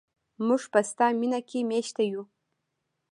موږ په ستا مینه کې میشته یو.